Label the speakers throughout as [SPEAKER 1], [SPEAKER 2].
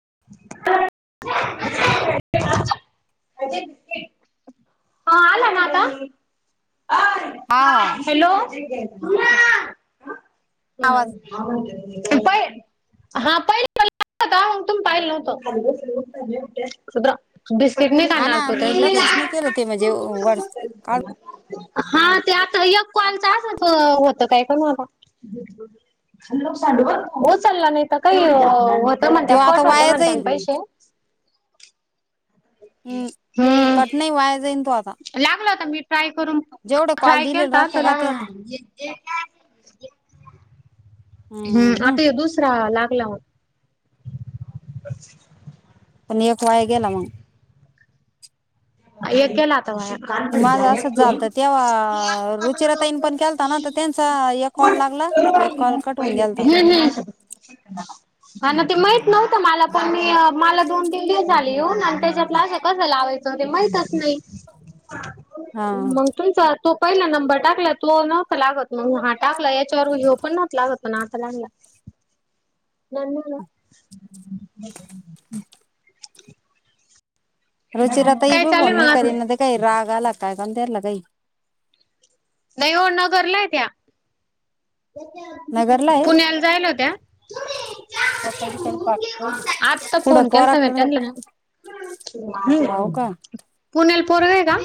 [SPEAKER 1] [unintelligible] [unintelligible] हा आला ना आता?
[SPEAKER 2] हा
[SPEAKER 1] हॅलो? [unintelligible]
[SPEAKER 2] आवाज
[SPEAKER 1] होय. [inaudible]
[SPEAKER 2] हा ना मी लक्श नाही केलं [unintelligible] काढ
[SPEAKER 1] हा ते आता यक कॉलचं अस होत काय पण उचलला नाही काही त म्हणत
[SPEAKER 2] किंवा आता
[SPEAKER 1] कट होते
[SPEAKER 2] वाया जाईल
[SPEAKER 1] म्हणत्यान पैसे
[SPEAKER 2] हम् कट नाही वाया जाईन तू आता
[SPEAKER 1] ला मी ट्राय करून
[SPEAKER 2] जेवढे कॉल
[SPEAKER 1] ट्राय
[SPEAKER 2] दिलेले
[SPEAKER 1] केलता
[SPEAKER 2] राहते
[SPEAKER 1] तर
[SPEAKER 2] का ते
[SPEAKER 1] लागला हम् आता दुसरा ला लाहो
[SPEAKER 2] पण एक वाया गेला मग.
[SPEAKER 1] एक केलात
[SPEAKER 2] ते माझा असंच झालत तेव्हा रुचिराताईन पण केलता ना तर त्यांचा एक कॉल लागला एक कॉल कटून गेलता
[SPEAKER 1] [unintelligible] का ना ते माहित? नव्हतं मला पण, मी मला दोन तीन दिवस झाले येऊन आणि त्याच्यातला असं कसं लावायचं. ते माहितच नाही.
[SPEAKER 2] हा
[SPEAKER 1] मग तुमचा तो पहिला नंबर टाकला. तो नव्हता लागतं, म्हणून हा टाकलाय. तर मग ह्यो [unintelligible] लागत. नातलांना
[SPEAKER 2] रुचिराताई,
[SPEAKER 1] काय
[SPEAKER 2] बघू
[SPEAKER 1] चालूय
[SPEAKER 2] आनी,
[SPEAKER 1] मग
[SPEAKER 2] काही
[SPEAKER 1] अजून?
[SPEAKER 2] मध्ये काही, राग आला काय झालं ते [unintelligible] आई
[SPEAKER 1] नाही हो, नगरलाय आहे त्या.
[SPEAKER 2] नगरला आहे
[SPEAKER 1] पुण्याला जायला होत्या. आत्ता
[SPEAKER 2] कुठं
[SPEAKER 1] फोन केलता ना
[SPEAKER 2] पोराकडे
[SPEAKER 1] त्यांनी ना?
[SPEAKER 2] हो
[SPEAKER 1] हं
[SPEAKER 2] का
[SPEAKER 1] पुण्या पोरगं आहे का?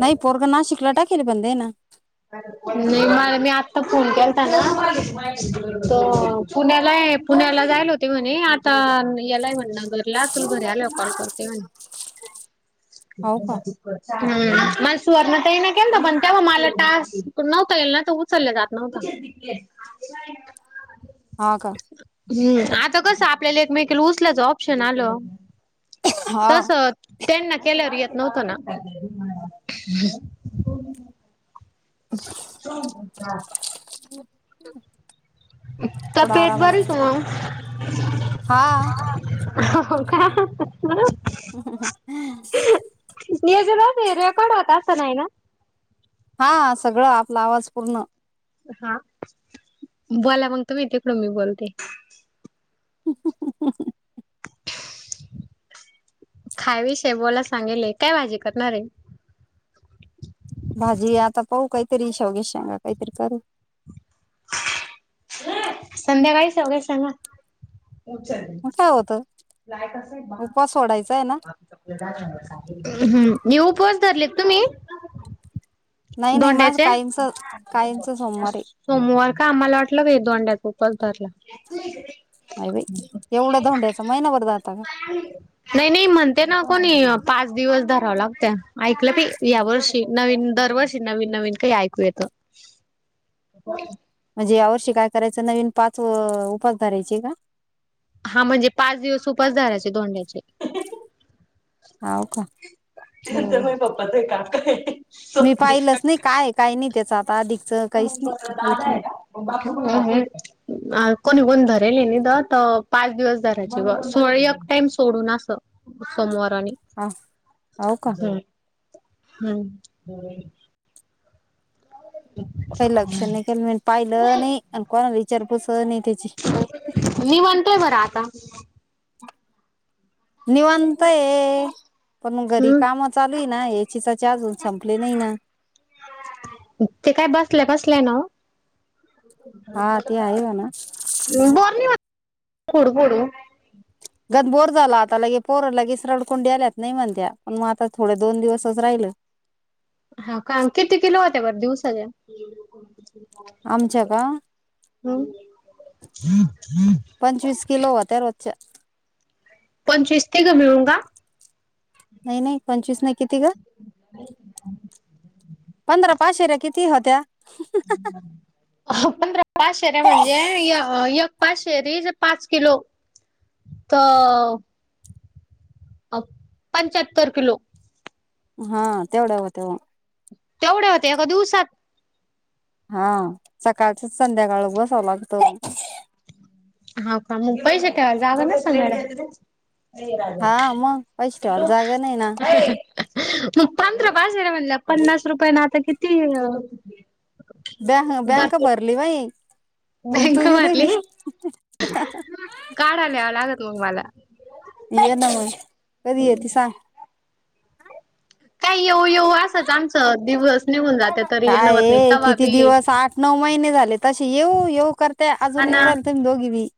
[SPEAKER 2] नाही पोरग ना शिक्रट हाय. फेर बंद हय ना?
[SPEAKER 1] नाही म म्या आत्ता फोन केलता ना, तो पुण्याला आहे. पुण्याला जायला होते म्हणे. आता यालाय म्हणे नगरला. तुला घरी आल्यावर कॉल करतो म्हणे.
[SPEAKER 2] हो का
[SPEAKER 1] टाक हं मग सुवर्णाताईना केलता, पण तेव्हा मालात टास्क, नव्हता येईल ना, तर उचलला जात नव्हता.
[SPEAKER 2] हा का?
[SPEAKER 1] हम्म आता कसं आपल्याला एकमेकीला उचलायचं ऑप्शन आलं
[SPEAKER 2] हा
[SPEAKER 1] तसं त्यांना केल्यावर येत नव्हत ना? [inaudible]
[SPEAKER 2] हम्म ह
[SPEAKER 1] तर पेट भरीतो.
[SPEAKER 2] हा
[SPEAKER 1] हो का? [unintelligible] नाही ना.
[SPEAKER 2] हां सगळं आपला आवाज पूर्ण
[SPEAKER 1] हां बोला म तुम्ही तिकडून मी बोलते.
[SPEAKER 2] [inaudible]
[SPEAKER 1] खावीशे बोला सांगिले काय भाजी करणार ये?
[SPEAKER 2] भाजी आता पाहू काहीतरी शेवग्याच्या शेंगा काहितरी करेल.
[SPEAKER 1] संध्याकाळी शेवगाच्या शेंगा. अं
[SPEAKER 2] मग काय होतं उपवास सोडायचा आहे ना
[SPEAKER 1] हं न्यू [unintelligible] धरलेत तुम्ही
[SPEAKER 2] नाही नाही माझं
[SPEAKER 1] दोंड्याचे
[SPEAKER 2] काहींचं काहींचं सोमवार ये.
[SPEAKER 1] [unintelligible] आम्हाला वाटलं की दोंड्यात उपास धरला.
[SPEAKER 2] नाही बाई एवढं धोंड्याचा महिनाभर जाता का
[SPEAKER 1] नाही नाही म्हणते ना कोणी अं पाच दिवस धराव लागत्या ऐकलं बई ह्या वर्षी नवीन दरवर्षी नवीन नवीन काही ऐकू येतं. [unintelligible]
[SPEAKER 2] म्हणजे यावर्षी काय करायचं नवीन पाच अ उपास धरायचे का?
[SPEAKER 1] हां म्हणजे पाच दिवस उपास धरायचे दोंड्याचे. [inaudible]
[SPEAKER 2] हाव का?
[SPEAKER 1] [unintelligible]
[SPEAKER 2] मी पाहिलंच नाही काय काही नाही त्याचात
[SPEAKER 1] [unintelligible] कोणी कोण धरेल ये नी द त पाच दिवस धरायची बॉ सोळी एक टाइम सोडून असं सोमवार. आणि
[SPEAKER 2] हा हो का
[SPEAKER 1] [unintelligible] हम्म.
[SPEAKER 2] काही लक्ष नही केलं नी अन पाहिलं नाही आण कोणाल वी चार पूस
[SPEAKER 1] निवांत ये बरं आता.
[SPEAKER 2] निवांत ये पण मंग घरी
[SPEAKER 1] हम्म
[SPEAKER 2] कामं चालू हे ना ये चीचाची अजून संपले नाही ना. हा ते आहे म्हणा
[SPEAKER 1] हम्म. [unintelligible] [unintelligible]
[SPEAKER 2] गत बोर झाला आता लगे पोरं लगेस रडकुंडी आल्यात नाही म्हणत्या पण म आता थोडे दोन दिवसच राहिलं.
[SPEAKER 1] हां का किती किलो होत्या बर दिवसाले.
[SPEAKER 2] आमच्या का, पंचवीस किलो होत्या रोजच्या.
[SPEAKER 1] पंचवीस [unintelligible] मिळून का?
[SPEAKER 2] नाई नाई पंचवीस नाईत किती गं? पंधरा पाशेर्या कित तिहत्या
[SPEAKER 1] पंधरा पाच शेऱ्या म्हणजे य अं यक पाच शेरी ज पाच किलो त अ पंच्याहत्तर किलो.
[SPEAKER 2] हां, तेवढाव तेव्हा.
[SPEAKER 1] तेवढे होते एगा दिवसात?
[SPEAKER 2] हां, सकाळचं संध्याकाळ बसाव लागतो.
[SPEAKER 1] हां का मुग पईशे का जाग ना सग
[SPEAKER 2] हा मग पैस ठेवाला जागा नाही ना.
[SPEAKER 1] मग पंधरा बाज र म्हणलं पन्नास रुपया ना आता किती
[SPEAKER 2] ब बँक
[SPEAKER 1] भरपूर
[SPEAKER 2] बरली होई.
[SPEAKER 1] बँक
[SPEAKER 2] उतुय
[SPEAKER 1] भरली
[SPEAKER 2] राईली काय?
[SPEAKER 1] आला.
[SPEAKER 2] ये ना म कधी येत सांग?
[SPEAKER 1] काही येऊ येऊ असच आमचं दिवस निघून जाते तरी ये
[SPEAKER 2] काय
[SPEAKER 1] नवत नाही.
[SPEAKER 2] आहे
[SPEAKER 1] तवाबी
[SPEAKER 2] तशी येऊ येऊ करते अजून येऊ राल तुम्ही दोघी बी.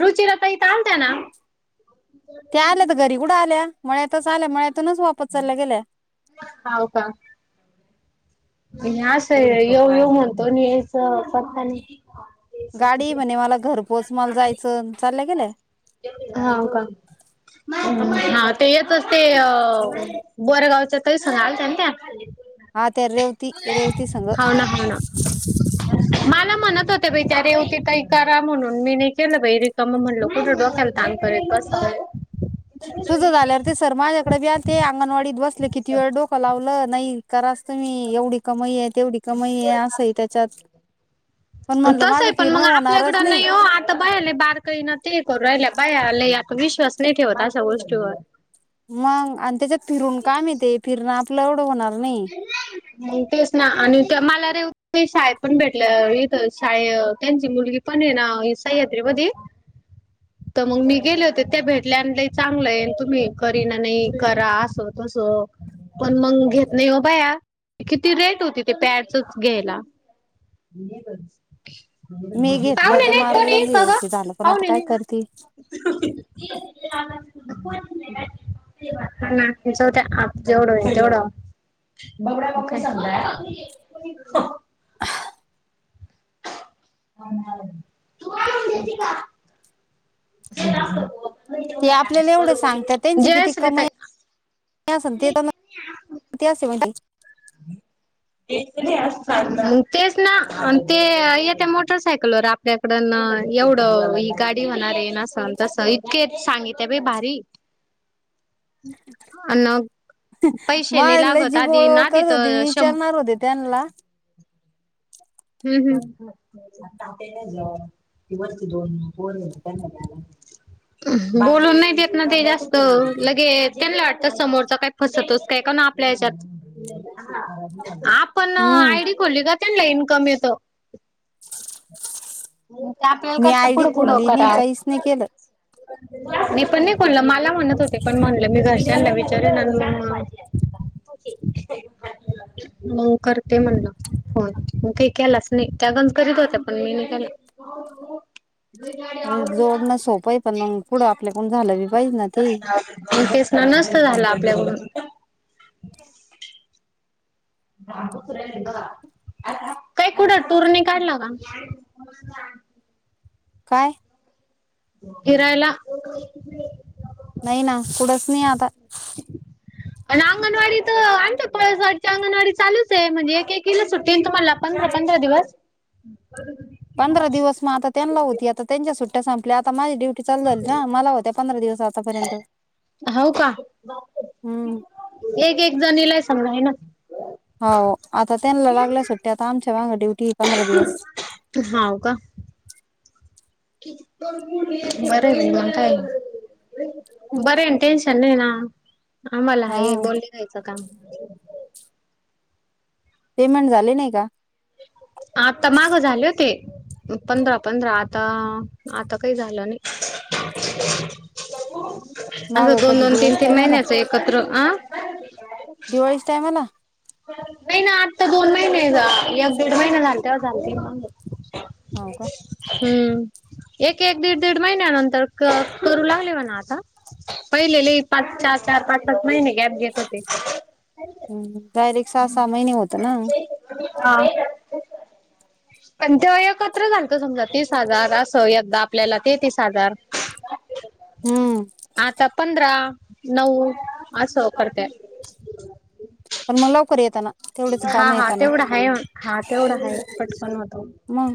[SPEAKER 1] रुचिर काही चालत ना.
[SPEAKER 2] त्या आल्या, तर घरी कुठं आल्या मळ्यातच आल्या मळ्यात तुनच वापस चालल्या गेल्या.
[SPEAKER 1] अस आहे येवऊ येऊ म्हणतो न याच पता नाही.
[SPEAKER 2] गाडी, म्हणे मला घर पोहोच मला जायचं चाललं गेलं?
[SPEAKER 1] हाव का हा ते येतच ते बोरगावच्या ताई संग आलत्या ना त्या.
[SPEAKER 2] हा ते रेवती रेवती संघ.
[SPEAKER 1] हाव ना हाव ना मला म्हणत होते बाई, त्या रेवती काही करा म्हणून मी नाही केलं बाई रिकमा म्हणलो कुठं डोक्याल तान करयत कसं.
[SPEAKER 2] तुझं झाल्यावर ते सर माझ्याकडे बि आल ते, अंगणवाडीत बसले किती वेळ डोकं लावलं नाही करास त मी एवढी कमाई आहे. तेवढी कमाई आहे. असंही त्याच्यात पण म्हणलं
[SPEAKER 1] तस आहे
[SPEAKER 2] माझं
[SPEAKER 1] पण मग
[SPEAKER 2] फिरणं होणारच
[SPEAKER 1] आपल्याकडं नाही हो आता बयालेय बारकई न ते करू राहिला बाया नाही आपण विश्वास नाही ठेवत अशा गोष्टीवर.
[SPEAKER 2] मग आणि त्याच्यात फिरून का मिळ ते फिरणं क्लवड होणार नाही
[SPEAKER 1] मग तेच ना आणि ते मला रे शाळेत पण भेटल्या, इथं शाळेत त्यांची मुलगी पण आहे ना सह्याद्री मधी तर मग मी गेले होते. त्या भेटल्यान चांगलं आहे तुम्ही करी ना नाही करा असं तसं पण मग घे नाही हो भया, किती रेट होती ते प्यारचचं घ्यायला.
[SPEAKER 2] मी घेतलं
[SPEAKER 1] पाहून ये
[SPEAKER 2] तर
[SPEAKER 1] नाही
[SPEAKER 2] मला
[SPEAKER 1] कोणी काग
[SPEAKER 2] झालं पण आता
[SPEAKER 1] पाहून
[SPEAKER 2] काय
[SPEAKER 1] ये ना.
[SPEAKER 2] करते
[SPEAKER 1] नाना जाउदे, जेवडं होईल तेवढं. बबड्या बघ कसा. [unintelligible] तू काय नेती का? [unintelligible]
[SPEAKER 2] ते आपल्याला एवढं सांगतात त्यांची
[SPEAKER 1] जय
[SPEAKER 2] किती
[SPEAKER 1] श्री
[SPEAKER 2] कमाई
[SPEAKER 1] ताई
[SPEAKER 2] किती असेन ते पण, किती असे म्हणती.
[SPEAKER 1] [unintelligible] तेच ना ते येत्या मोटरसायकलवर आपल्याकडन एवढं गाडी होणार आहे, अस अन तस इतके सांगिते आहे बाई भारी अन, पैसे नई
[SPEAKER 2] मला
[SPEAKER 1] लागत
[SPEAKER 2] जी
[SPEAKER 1] आधी
[SPEAKER 2] ओळवळ
[SPEAKER 1] ना दी
[SPEAKER 2] करत विचारणार होते त्यांला.
[SPEAKER 1] हम्म हम्म, बोलून नाही देत ना ते जास्त लगेच त्यांला वाटत समोरच काय फसवतोस का काय आपल्या हच्यात. आपण
[SPEAKER 2] हम्म
[SPEAKER 1] आयडी खोलली का? त्यानला ईन कमीवतो.
[SPEAKER 2] मी आयडी खोलली नाही, काहीच नाही केलं.
[SPEAKER 1] मी पण नाही खोलल मला म्हणत होते पण म्हणलं मी घरच्याना विचारेन आणि म, हो करते म्हणलं होय. मी काही केलाच नाही, त्यापण करीत होत्या पण मी नाही केला.
[SPEAKER 2] जोडणं सोपं आहे, पण म पुढं आपल्याकडून झालं [unintelligible] ना ती
[SPEAKER 1] आणि फेसन नसत झाला आपल्याकडून. काय कुठं टूर नाय काढला का?
[SPEAKER 2] काय?
[SPEAKER 1] फिरायला.
[SPEAKER 2] नाही ना, कुढंच नाही आता.
[SPEAKER 1] आणि अंगणवाडी त आमची पळसवाडी अंगणवाडी चालूच आहे. म्हणजे एक एकीला सुट्टी आहे ना तुम्हाला पण पंधरा पंधरा दिवस.
[SPEAKER 2] पंधरा दिवस म आता त्यांला होती, आता त्यांच्या सु सूट्या संपल्या आता माझी डु ड्युटी चालू झाली ना, मला होत्या पंधरा दिवस आ आत्तापर्यंत.
[SPEAKER 1] हाव का?
[SPEAKER 2] हम्म
[SPEAKER 1] एक एक जणीला सम आहे ना.
[SPEAKER 2] हाव आता त्यांला लागल्या सुट्टी, आता आमच्या माग ड्युटी पंधरा दिवस.
[SPEAKER 1] हाव का? बरं हाय की मंग काय. बर टें टेन्शन नै ना. आम्हाला
[SPEAKER 2] हा
[SPEAKER 1] आहे बोलले घ्यायचं काम. [inaudible]
[SPEAKER 2] पेमेंट झाले नाही का?
[SPEAKER 1] आता माग झाले होते. पंधरा पंधरा आता आता काही झालं नाही.
[SPEAKER 2] माग
[SPEAKER 1] असं दोन
[SPEAKER 2] कधी
[SPEAKER 1] दोन तीन
[SPEAKER 2] दिवाळीच
[SPEAKER 1] तीन महिन्याच एकत्र अ
[SPEAKER 2] दिवाळीच्या टाईमाला.
[SPEAKER 1] नाही ना आत्ता दोन महिने जा एक दड महिने झालत चालते.
[SPEAKER 2] होव का.
[SPEAKER 1] एक एक दीड दीड महिन्यानंतर करू लागले होणा आता, पहिले लई पाच चार चार पाच पाच महिने गॅप घेत होते.
[SPEAKER 2] हम्म डायरेक्ट. सहा सहा महिने होत ना.
[SPEAKER 1] हा पण तेव्हा एकत्र झालत समजा तीस हजार अस एकदा आपल्याला ते तीस हजार.
[SPEAKER 2] हम्म
[SPEAKER 1] आता पंधरा. नऊ आस करते.
[SPEAKER 2] मग लवकर येताना. तेवढेच
[SPEAKER 1] हा
[SPEAKER 2] काम
[SPEAKER 1] हा
[SPEAKER 2] येताना
[SPEAKER 1] तेवढा आहे, हा तेवढा आहे, पटकन होतो.
[SPEAKER 2] मग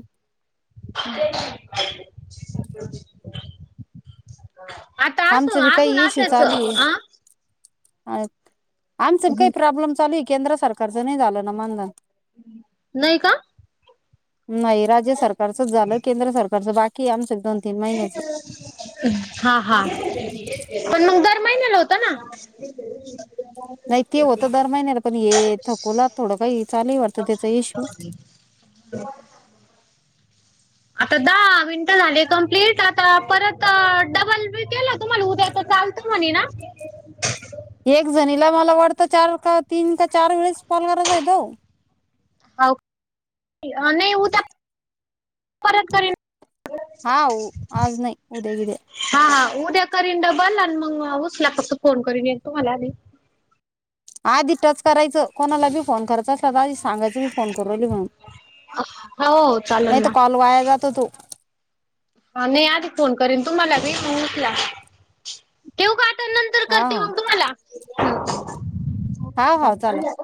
[SPEAKER 1] आता
[SPEAKER 2] आमच
[SPEAKER 1] असं
[SPEAKER 2] बी काही
[SPEAKER 1] अजून
[SPEAKER 2] इश्यू
[SPEAKER 1] असायच
[SPEAKER 2] चालू आहे.
[SPEAKER 1] आ
[SPEAKER 2] आठ. आमचं बी काही प्रॉब्लेम चालू हाय केंद्र सरकार. कर्ज नाही झालं ना मागण.
[SPEAKER 1] नाही का.
[SPEAKER 2] नाही राज्य सरकारचच झालं केंद्र सरकार. कर्ज बाकी हाय आमच.
[SPEAKER 1] हा हा पणन मग दर. महिन्याला होत ना.
[SPEAKER 2] नाही ते होत दर महिन्याला पण हे, थकवला थोडं काही चालू हाय वाटतं बाई त्याचा येशु
[SPEAKER 1] आता दहा मिनटं झाले कंप्लीट, आता परत डबल बी केलं तुम्हाला उद्या चालत म्हणे ना.
[SPEAKER 2] एक जणीला मला वाटतं चार का तीन का चार वेळेस कॉल करायचा हायत ओ.
[SPEAKER 1] हो नाही उद्या परत करेन.
[SPEAKER 2] हा ओ आज नाही उद्या गीद्या
[SPEAKER 1] हा हा उद्या करीन डबल आणि मग उसल्या पासून फोन करन मी तुम्हाला आणि.
[SPEAKER 2] आधी टच करायचं कोणाला बी फोन करायचा असला तर आधीच. सांगायच मी फोन करालोया म्हणून
[SPEAKER 1] हो
[SPEAKER 2] नाही
[SPEAKER 1] चालेल
[SPEAKER 2] तर
[SPEAKER 1] ना
[SPEAKER 2] कॉल वाया जातो तो.
[SPEAKER 1] हा नाही आधी फोन करीन तुम्हाला मी मंग उचला ठेवू काय.
[SPEAKER 2] हा. हा हा चालेल
[SPEAKER 1] चालतय.